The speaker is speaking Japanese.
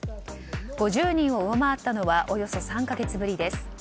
５０人を上回ったのはおよそ３か月ぶりです。